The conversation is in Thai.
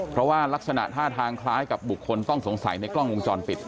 เพราะว่ารักษณะท่าทางคล้ายกับบุคคลต้องสงสัยในกล้องวงจรปิด